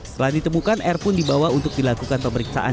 setelah ditemukan r pun dibawa untuk dilakukan pemeriksaan